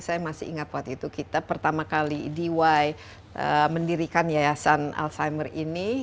saya masih ingat waktu itu kita pertama kali diy mendirikan yayasan alzheimer ini